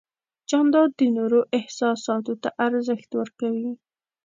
جانداد د نورو احساساتو ته ارزښت ورکوي.